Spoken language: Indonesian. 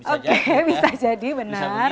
oke bisa jadi benar